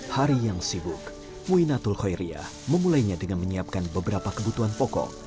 hari yang sibuk muinatul khoiriah memulainya dengan menyiapkan beberapa kebutuhan pokok